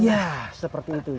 ya seperti itu